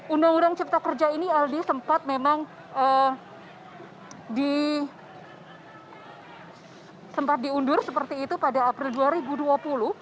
undang undang cipta kerja ini aldi sempat memang sempat diundur seperti itu pada april dua ribu dua puluh